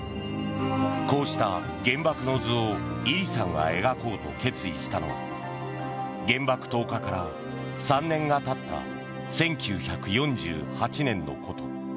こうした「原爆の図」を位里さんが描こうと決意したのは原爆投下から３年が経った１９４８年のこと。